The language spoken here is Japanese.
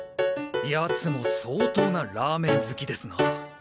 奴も相当なラーメン好きですな。